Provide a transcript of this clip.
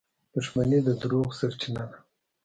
• دښمني د دروغو سرچینه ده.